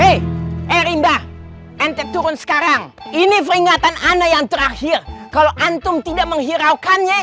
eh rinda ente turun sekarang ini peringatan anda yang terakhir kalau antum tidak menghiraukannya